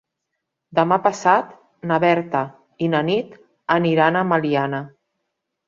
Demà passat na Berta i na Nit aniran a Meliana.